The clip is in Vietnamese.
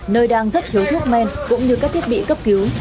nơi đang rất thiếu thuốc men cũng như các thiết bị cấp cứu